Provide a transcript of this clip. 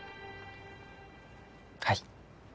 はい。